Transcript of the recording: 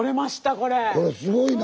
これすごいな。